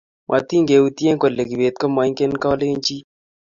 matikeutye kole kibet komaingen kalenjin